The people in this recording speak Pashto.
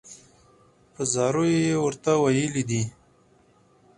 په زاریو یې ورته ویلي دي.